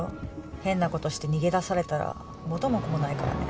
変なことして逃げ出されたら元も子もないからね。